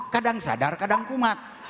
kadang sadar kadang kumat